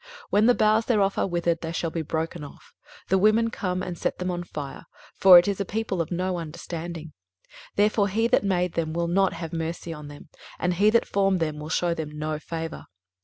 23:027:011 When the boughs thereof are withered, they shall be broken off: the women come, and set them on fire: for it is a people of no understanding: therefore he that made them will not have mercy on them, and he that formed them will shew them no favour.